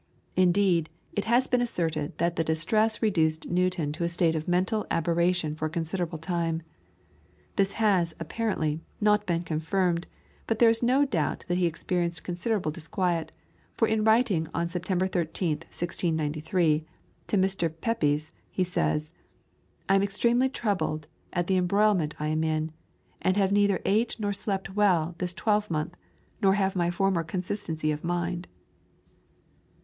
Indeed, it has been asserted that the distress reduced Newton to a state of mental aberration for a considerable time. This has, apparently, not been confirmed, but there is no doubt that he experienced considerable disquiet, for in writing on September 13th, 1693, to Mr. Pepys, he says: "I am extremely troubled at the embroilment I am in, and have neither ate nor slept well this twelve month, nor have my former consistency of mind."